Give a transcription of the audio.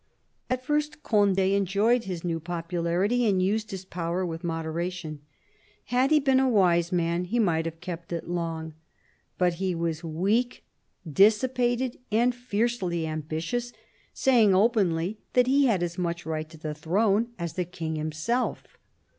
At first Cond6 enjoyed his new popularity and used his power with moderation. Had he been a wise man, he might have kept it long ; but he was weak, dissipated, and fiercely ambitious, saying openly that he had as much right to the throne as the King himself.